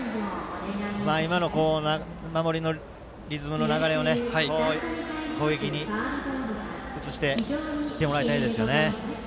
今の守りのリズムの流れを攻撃に移して行ってもらいたいですね。